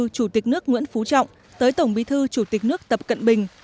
chủ tịch nước nguyễn phú trọng tới tổng bí thư chủ tịch nước tập cận bình